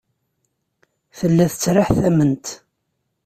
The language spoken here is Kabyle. Tella tettraḥ tamemt.